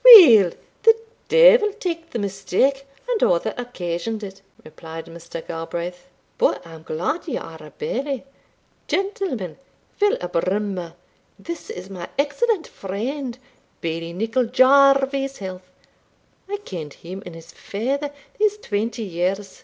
"Weel, the devil take the mistake and all that occasioned it!" replied Mr. Galbraith. "But I am glad ye are a bailie. Gentlemen, fill a brimmer this is my excellent friend, Bailie Nicol Jarvie's health I ken'd him and his father these twenty years.